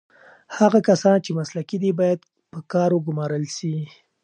هغه کسان چې مسلکي دي باید په کار وګمـارل سي.